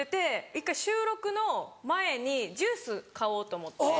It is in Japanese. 一回収録の前にジュース買おうと思って。